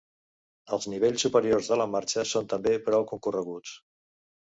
Els nivells superiors de la marxa són també prou concorreguts.